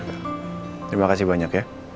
terima kasih banyak ya